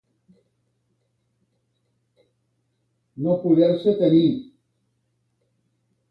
No poder-se tenir.